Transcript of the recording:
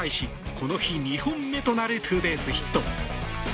この日、２本目となるツーベースヒット。